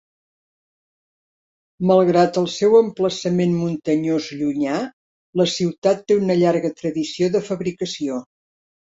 Malgrat el seu emplaçament muntanyós llunyà, la ciutat té una llarga tradició de fabricació.